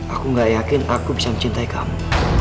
aku gak yakin aku bisa mencintai kamu